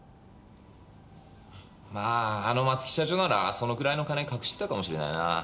まああの松木社長ならそのくらいの金隠してたかもしれないなあ。